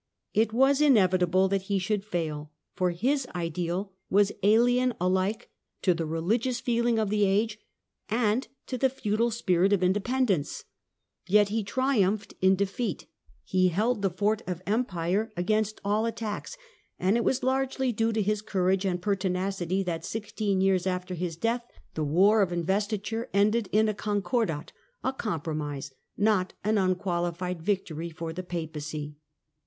It was inevitable that he should fail, for this ideal was alien alike to the religious feeling of the age and to the feudal spirit of independence. Yet he triumphed in defeat. He held the fort of Empire THE WAR OF INVESTITURE 93 against all attacks, and it was largely due to his courage and pertinacity that, sixteen years after his death, the war of investiture ended in a " concordat," a compromise, not an unqualified victory for the Papacy.